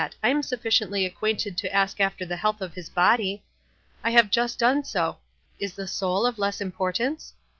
I am sufficiently acquainted to ask after the health of his body. I have jvist done so. Is the sonl of less importance?